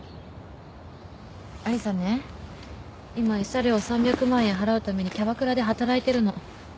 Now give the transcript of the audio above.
アリサね今慰謝料３００万円払うためにキャバクラで働いてるの。